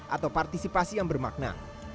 atau partisipasi yang bermakna